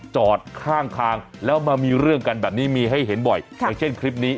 จอดข้างทางแล้วมามีเรื่องกันแบบนี้มีให้เห็นบ่อยอย่างเช่นคลิปนี้